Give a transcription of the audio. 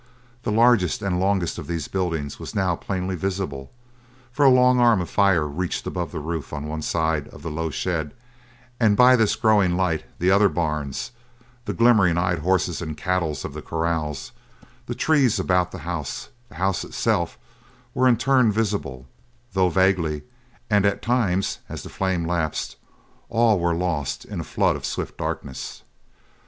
The largest and longest of these buildings was now plainly visible, for a long arm of fire reached above the roof on one side of the low shed and by this growing light the other barns, the glimmering eyed horses and cattle of the corrals, the trees about the house, the house itself, were in turn visible, though vaguely, and at times, as the flame lapsed, all were lost in a flood of swift darkness.